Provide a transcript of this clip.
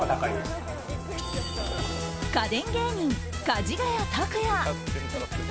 家電芸人・かじがや卓哉。